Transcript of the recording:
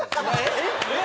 えっ？